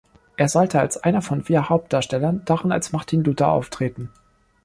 Er sollte als einer von vier Hauptdarstellern darin als Martin Luther auftreten.